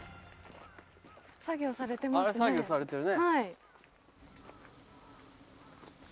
はい。